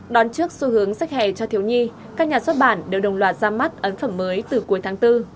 đón trước xu hướng sách hè cho thiếu nhi các nhà xuất bản đều đồng loạt ra mắt ấn phẩm mới từ cuối tháng bốn